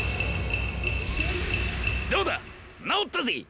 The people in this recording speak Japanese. どうだなおったぜ！